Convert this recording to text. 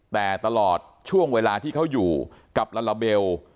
แต่ตลอดช่วงเวลาที่เขาอยู่กับลาลาเบล